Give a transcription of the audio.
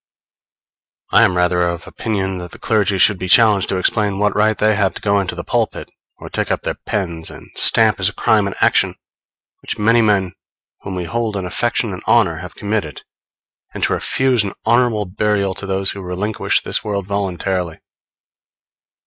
I am rather of opinion that the clergy should be challenged to explain what right they have to go into the pulpit, or take up their pens, and stamp as a crime an action which many men whom we hold in affection and honor have committed; and to refuse an honorable burial to those who relinquish this world voluntarily.